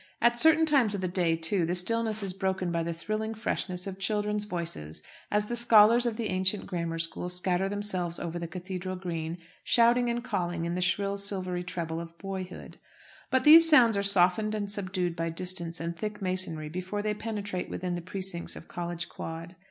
At certain times of the day, too, the stillness is broken by the thrilling freshness of children's voices, as the scholars of the ancient Grammar School scatter themselves over the Cathedral Green, shouting and calling in the shrill silvery treble of boyhood. But these sounds are softened and subdued by distance and thick masonry before they penetrate within the precincts of College Quad.